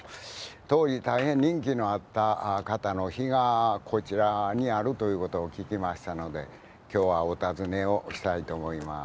当時大変人気のあった方の碑がこちらにあるということを聞きましたので今日はお訪ねをしたいと思います。